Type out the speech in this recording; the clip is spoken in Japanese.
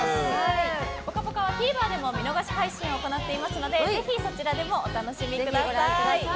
「ぽかぽか」はＴＶｅｒでも見逃し配信を行っておりますのでぜひそちらでもお楽しみください。